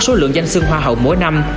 số lượng danh sư hoa hậu mỗi năm